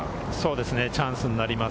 チャンスになります。